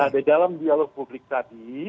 nah di dalam dialog publik tadi